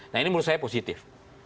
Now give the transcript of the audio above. nah ini menurut saya positif